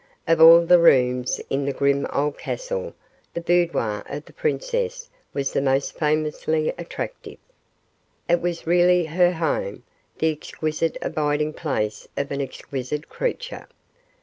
Of all the rooms in the grim old castle, the boudoir of the princess was the most famously attractive. It was really her home, the exquisite abiding place of an exquisite creature.